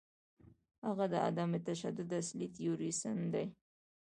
هغه د عدم تشدد اصلي تیوریسن دی.